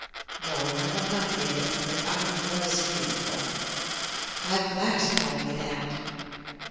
No, I will not be a hypocrite; I was beautiful. My glass told me that.